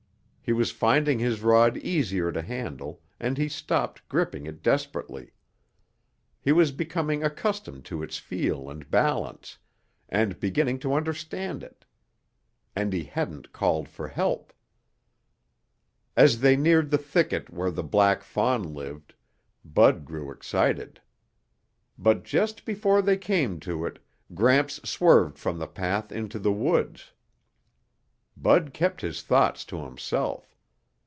He was finding his rod easier to handle and he stopped gripping it desperately. He was becoming accustomed to its feel and balance, and beginning to understand it. And he hadn't called for help. As they neared the thicket where the black fawn lived, Bud grew excited. But just before they came to it, Gramps swerved from the path into the woods. Bud kept his thoughts to himself.